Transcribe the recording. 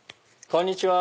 こんにちは。